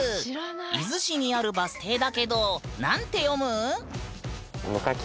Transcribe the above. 伊豆市にあるバス停だけど何て読む？